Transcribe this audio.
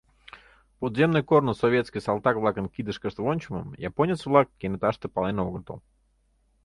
Подземный корно советский салтак-влакын кидышкышт вончымым японец-влак кенеташте пален огытыл.